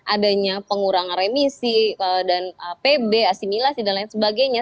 adanya pengurangan remisi dan pb asimilasi dan lain sebagainya